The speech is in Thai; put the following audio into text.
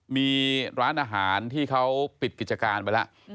มีร้านอาหารที่เขาปิดกิจการไปแล้ว